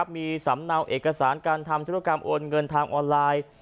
มีสำเนาเอกสารการทำธุรกรรมโอนเงินทางออนไลน์